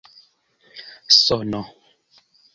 sono